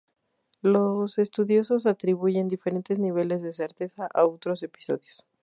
Los estudiosos atribuyen diferentes niveles de certeza a otros episodios.